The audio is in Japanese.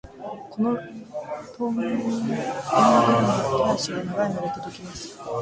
この遠間からも手足が長いので届きます。